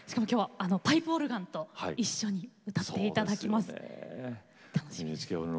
パイプオルガンと一緒に歌っていただきます。